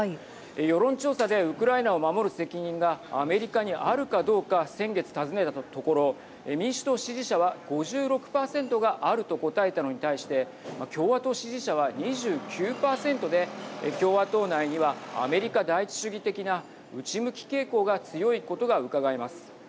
世論調査でウクライナを守る責任がアメリカにあるかどうか先月尋ねたところ民主党支持者は５６％があると答えたのに対して共和党支持者は２９％で共和党内にはアメリカ第一主義的な内向き傾向が強いことがうかがえます。